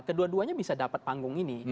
kedua duanya bisa dapat panggung ini